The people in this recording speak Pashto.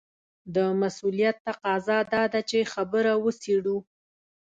د مسووليت تقاضا دا ده چې خبره وڅېړو.